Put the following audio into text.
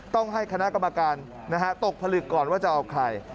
ต้องให้คณะกรรมการตกผลึกก่อนว่าจะเอาใคร